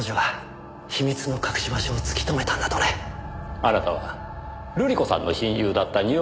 あなたは瑠璃子さんの親友だった二百